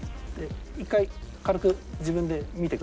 １回軽く自分で見てください。